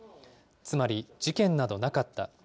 つまり事件などなかった。